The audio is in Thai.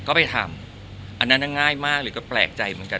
ก็ไปทำอันนั้นง่ายมากหรือก็แปลกใจเหมือนกัน